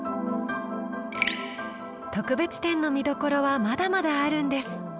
特別展の見どころはまだまだあるんです。